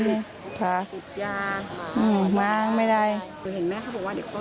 เขาจะมาก็แล้วแต่ก็